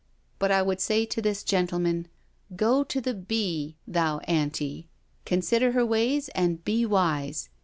But I would say to this gentleman, ' Go to the bee, thou Ami; consider her ways and be wise.'